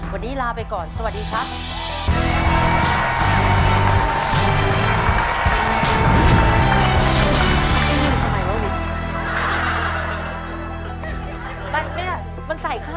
วันนี้ลาไปก่อนสวัสดีครับ